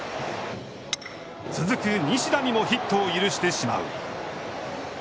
続く西田にもヒットを許してしまう。